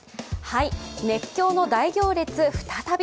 熱狂の大行列再び？